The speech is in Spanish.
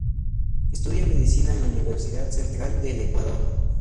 Estudia medicina en la Universidad Central del Ecuador.